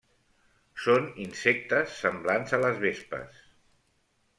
Són insectes semblant a les vespes.